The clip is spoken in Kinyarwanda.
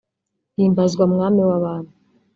‘Himbazwa Mwami w’abami’